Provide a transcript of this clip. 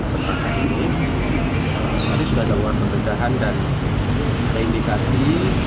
pesakit ini tadi sudah ada uang pengembangan dan reindikasi